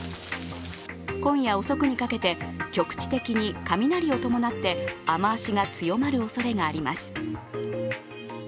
今夜遅くにかけて、局地的に雷を伴って雨足が強まるおそれがあります。